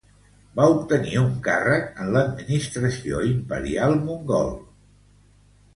Va obtenir un càrrec en l'Administració imperial mongol.